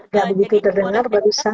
gak begitu terdengar